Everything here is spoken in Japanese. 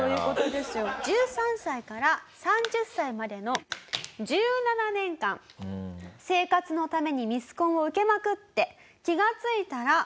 １３歳から３０歳までの１７年間生活のためにミスコンを受けまくって気がついたら。